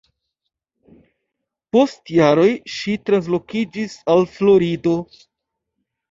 Post jaroj ŝi translokiĝis al Florido.